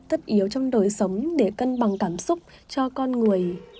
tất yếu trong đời sống để cân bằng cảm xúc cho con người